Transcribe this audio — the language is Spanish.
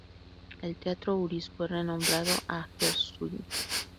El Teatro Uris fue renombrado a Gershwin.